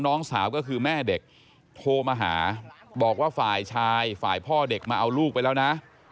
น้องสาวก็คือแม่เด็กโทรมาหาบอกว่าฝ่ายชายฝ่ายพ่อเด็กมาเอาลูกไปแล้วนะ